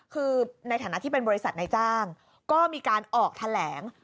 คือในฐานะที่เป็นบริษัทในจ้างก็มีการออกแถลง